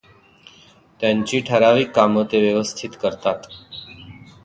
त्यांची ठराविक कामं ते व्यवस्थित करतात.